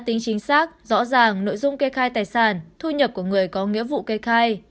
tính chính xác rõ ràng nội dung kê khai tài sản thu nhập của người có nghĩa vụ kê khai